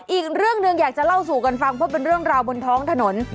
อีกเรื่องหนึ่งอยากจะเล่าสู่กันฟังเพราะเป็นเรื่องราวบนท้องถนน